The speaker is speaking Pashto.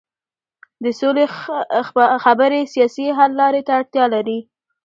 د سولې خبرې سیاسي حل لارې ته اړتیا لري